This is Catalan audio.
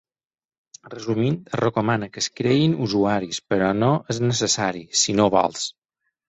Resumint, es recomana que es creïn usuaris, però no és necessari, si no vols.